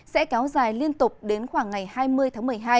sẽ kéo dài liên tục đến khoảng ngày hai mươi tháng một mươi hai